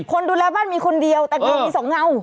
คนดูแลบ้านมีคนเดียวแต่ก่อนมีสองเงา